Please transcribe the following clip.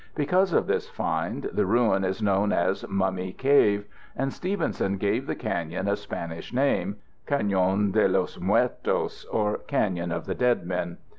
Because of this find the ruin is known as Mummy Cave, and Stevenson gave the canyon a Spanish name, Canyon de los Muertos, or canyon of the dead men.